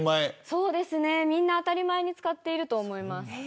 そうですね、みんな当たり前に使っていると思います。